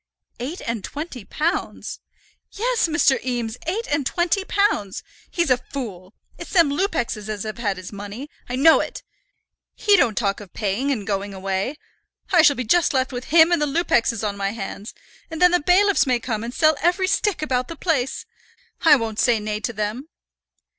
"Eight and twenty pounds!" "Yes, Mr. Eames, eight and twenty pounds! He's a fool. It's them Lupexes as have had his money. I know it. He don't talk of paying, and going away. I shall be just left with him and the Lupexes on my hands; and then the bailiffs may come and sell every stick about the place. I won't say nay to them."